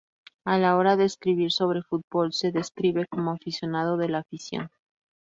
A la hora de escribir sobre fútbol, se describe como aficionado de la afición.